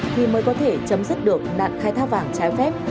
thì mới có thể chấm dứt được nạn khai thác vàng trái phép